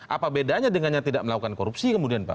apa bedanya dengan yang tidak melakukan korupsi kemudian pak